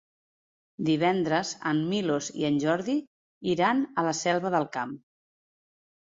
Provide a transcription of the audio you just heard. Divendres en Milos i en Jordi iran a la Selva del Camp.